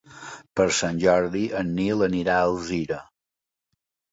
Per Sant Jordi en Nil anirà a Alzira.